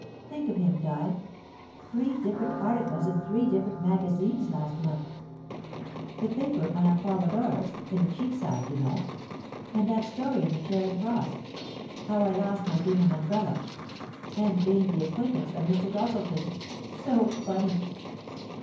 Think of him, Di three different articles in three different magazines last month! The paper on Apollodorus, in the Cheapside, you know; and that story in the Charing Cross 'How I lost my Gingham Umbrella, and gained the Acquaintance of Mr. Gozzleton.' So funny!